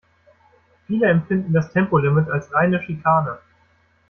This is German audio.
Viele empfinden das Tempolimit als reine Schikane.